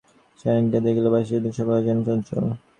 সেখানে গিয়া দেখিল, বাড়িসুদ্ধ সকলেই যেন চঞ্চল।